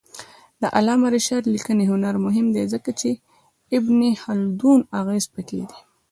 د علامه رشاد لیکنی هنر مهم دی ځکه چې ابن خلدون اغېز پکې دی.